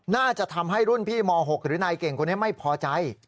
น่าจะทำให้รุ่นพี่ม๖หรือนายเก่งคนนี้ไม่พอใจ